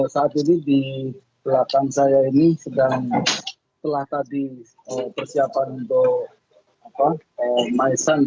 saat ini di belakang saya ini sedang telah tadi persiapan untuk maisang